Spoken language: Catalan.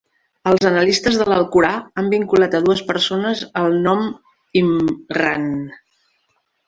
Els analistes de l'Alcorà han vinculat a dues persones al nom Imran.